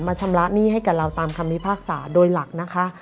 ชำระหนี้ให้กับเราตามคำพิพากษาโดยหลักนะคะ